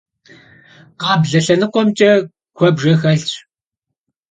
Къаблэ лъэныкъуэмкӀэ куэбжэ хэлъащ.